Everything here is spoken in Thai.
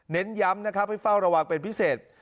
เน้นย้ำนะครับให้เฝ้าระวังเป็นพิเศษ